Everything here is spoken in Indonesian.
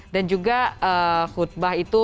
dan juga khutbah itu